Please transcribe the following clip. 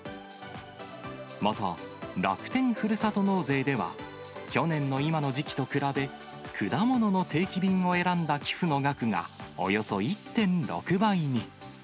また、楽天ふるさと納税では、去年の今の時期と比べ、果物の定期便を選んだ寄付の額がおよそ１．６倍に。